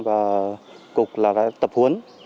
và cục là tập huấn